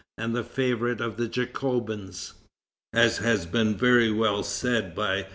and the favorite of the Jacobins. As has been very well said by M.